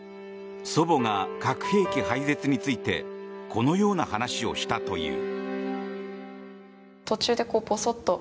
祖母が核兵器廃絶についてこのような話をしたという。